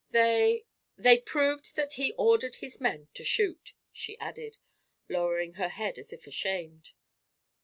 They—they proved that he ordered his men to shoot," she added, lowering her head as if ashamed.